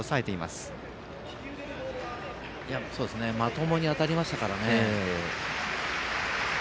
まともに当たりましたからね。